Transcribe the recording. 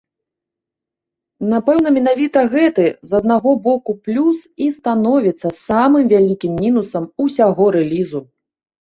Напэўна, менавіта гэты, з аднаго боку, плюс і становіцца самым вялікім мінусам усяго рэлізу.